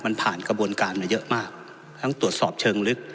มันผ่านกระบวนการมาเยอะมากทั้งตรวจสอบเชิงลึก